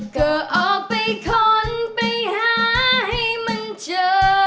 ก็ออกไปค้นไปหาให้มันเจอ